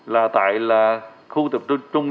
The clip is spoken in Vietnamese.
là tại là khu tập trung